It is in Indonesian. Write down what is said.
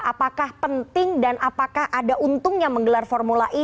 apakah penting dan apakah ada untungnya menggelar formula e